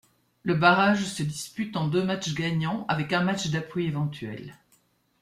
Le barrage se dispute en deux matchs gagnants, avec un match d'appui éventuel.